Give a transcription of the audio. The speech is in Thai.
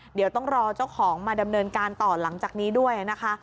เดี๋ยวต้องรอเจ้าของมาดำเนินการต่อหลังจากนี้ด้วยนะคะ